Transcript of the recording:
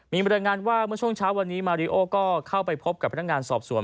มีบรรยายงานว่าเมื่อช่วงเช้าวันนี้มาริโอก็เข้าไปพบกับพนักงานสอบสวน